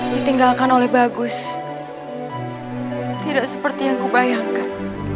ditinggalkan oleh bagus tidak seperti yang kubayangkan